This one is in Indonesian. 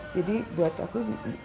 jadi buat aku